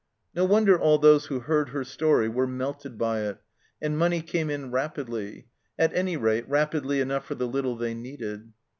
No wonder all those who heard her story were melted by it, and money came in rapidly at any rate, rapidly enough for the little they needed.